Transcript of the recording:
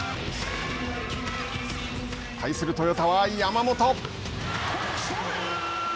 対するトヨタは山本。